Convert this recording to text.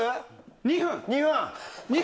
２分。